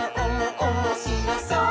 おもしろそう！」